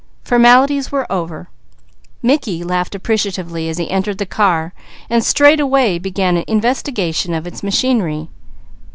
Formalities were over. Mickey laughed as he entered the car and straightway began an investigation of its machinery.